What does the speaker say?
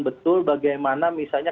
betul bagaimana misalnya